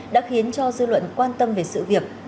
đã khiến cho dư luận quan tâm về sự việc